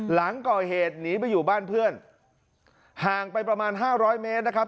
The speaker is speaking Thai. หลังก่อเหตุหนีไปอยู่บ้านเพื่อนห่างไปประมาณห้าร้อยเมตรนะครับ